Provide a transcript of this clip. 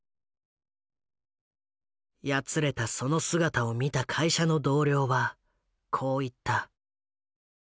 やつれたその姿を見た会社の同僚はこう言った。